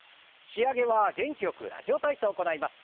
仕上げは元気よく「ラジオ体操」を行います。